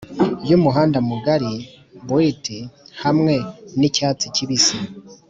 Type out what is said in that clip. yumuhanda mugari-büilt hamwe nicyatsi kibisi.